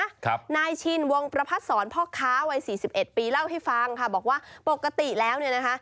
ครับนายชินวงประพัดศรพ่อค้าวัยสี่สิบเอ็ดปีเล่าให้ฟังค่ะบอกว่าปกติแล้วเนี่ยนะคะ